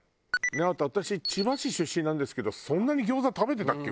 あと私千葉市出身なんですけどそんなに餃子食べてたっけ？